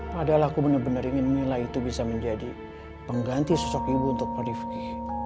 padahal aku bener bener ingin mila itu bisa menjadi pengganti sosok ibu untuk pak divki